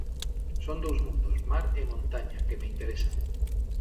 Son dous mundos, mar e montaña, que me interesan.